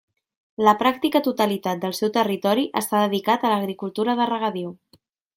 La pràctica totalitat del seu territori està dedicat a l'agricultura de regadiu.